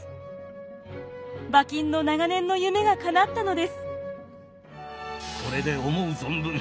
馬琴の長年の夢がかなったのです。